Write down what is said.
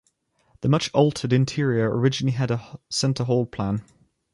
The much-altered interior originally had a centre hall plan.